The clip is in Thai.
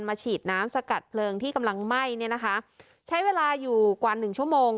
ฉีดน้ำสกัดเพลิงที่กำลังไหม้เนี่ยนะคะใช้เวลาอยู่กว่าหนึ่งชั่วโมง